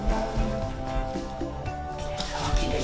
きれい。